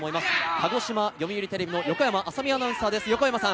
鹿児島読売テレビの横山あさみアナウンサー。